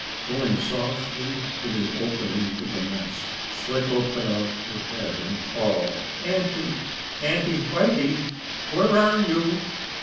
Going softly to the opening to the nest, Slicko put out her head, and called: "Aunty! Aunty Whitey! Where are you?"